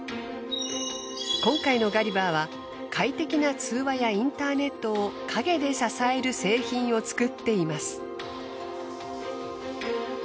今回のガリバーは快適な通話やインターネットを陰で支える製品を作っています。